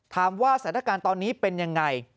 สถานการณ์ตอนนี้เป็นยังไง